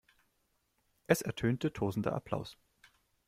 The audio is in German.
Es ertönte tosender Applaus.